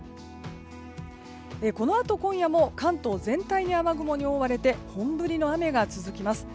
このあと今夜も関東全体雨雲に覆われて本降りの雨が続きます。